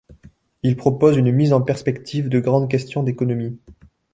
Il propose une mise en perspective de grandes questions d'économie.